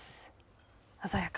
鮮やか。